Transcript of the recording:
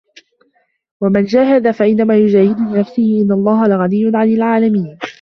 وَمَن جاهَدَ فَإِنَّما يُجاهِدُ لِنَفسِهِ إِنَّ اللَّهَ لَغَنِيٌّ عَنِ العالَمينَ